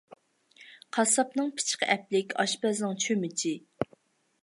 قاسساپنىڭ پىچىقى ئەپلىك، ئاشپەزنىڭ چۆمۈچى.